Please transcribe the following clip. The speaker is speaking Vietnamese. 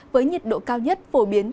với nhiệt độ cao nhất phổ biến